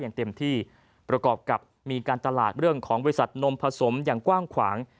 อย่างเต็มที่ประกอบกับมีการตลาดเรื่องของบริษัทนมผสมอย่างกว้างขวาง